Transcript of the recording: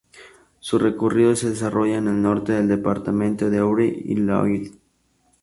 Su recorrido se desarrolla en el norte del departamento de Eure y Loir.